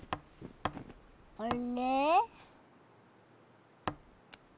あれ？